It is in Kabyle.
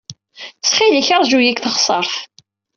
Ttxil-k, ṛju-iyi deg teɣsert.